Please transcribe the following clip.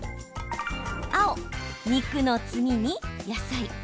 青・肉の次に野菜。